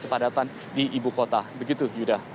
kepadatan di ibu kota begitu yuda